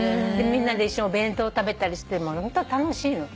みんなで一緒にお弁当食べたりしてホント楽しいの。